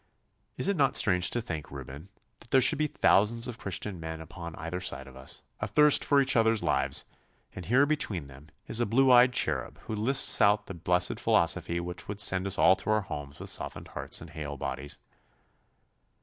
'Is it not strange to think, Reuben, that there should be thousands of Christian men upon either side of us, athirst for each other's lives, and here between them is a blue eyed cherub who lisps out the blessed philosophy which would send us all to our homes with softened hearts and hale bodies?